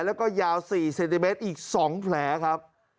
แล้วก็ยาว๔เซนติเมตรอีก๒แผลครับ